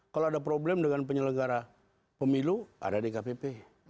kalau ada problem dengan penyelenggara pemilu ada di kpp